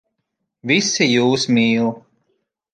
Visi jūs mīl.